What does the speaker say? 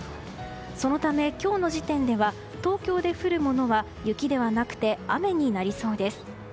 そのため今日の時点では東京で降るものは雪ではなくて雨になりそうです。